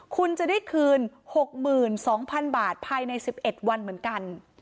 คุณจะได้คืน๖๒๐๐๐บาทภายใน๑๑วันเหมือนกัน